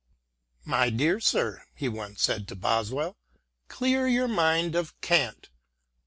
" My dear sir," he once said to Boswell, " clear your mind of cant.